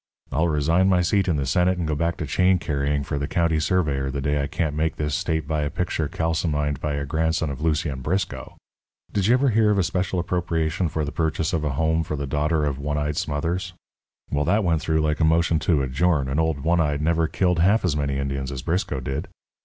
I'll resign my seat in the Senate and go back to chain carrying for the county surveyor the day I can't make this state buy a picture calcimined by a grandson of Lucien Briscoe. Did you ever hear of a special appropriation for the purchase of a home for the daughter of One Eyed Smothers? Well, that went through like a motion to adjourn, and old One Eyed never killed half as many Indians as Briscoe did.